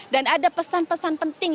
dan ada pesan pesan penting